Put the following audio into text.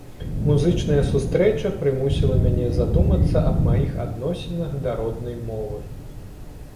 Музычная сустрэча прымусіла мяне задумацца аб маіх адносінах да роднай мовы.